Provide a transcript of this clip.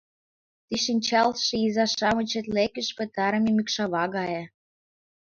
Ты шинчалше иза-шамыч четлыкеш петырыме мӱкшава гае.